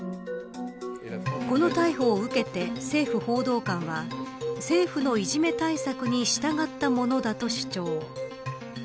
この逮捕を受けて、政府報道官は政府のいじめ対策に従ったものだと主張。